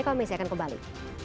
kami siapkan kembali